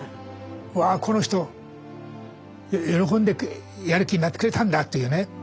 わあこの人喜んでやる気になってくれたんだっていうね。